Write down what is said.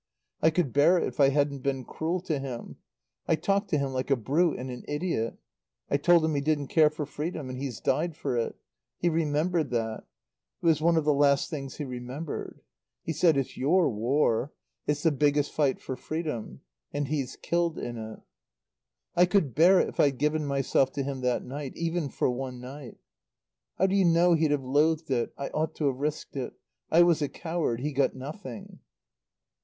"I could bear it if I hadn't been cruel to him. I talked to him like a brute and an idiot. I told him he didn't care for freedom. And he's died for it. He remembered that. It was one of the last things he remembered. He said 'It's your War it's the biggest fight for freedom.' And he's killed in it. "I could bear it if I'd given myself to him that night even for one night. "How do you know he'd have loathed it? I ought to have risked it. I was a coward. He got nothing."